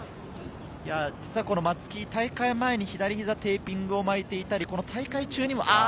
松木、大会前に左ひざ、テーピングを巻いていたり大会中にも。